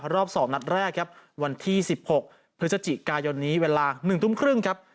รอบ๒นัดแรกครับวันที่๑๖พฤศจิกายนนี้เวลา๑ทุ่มครึ่งครับ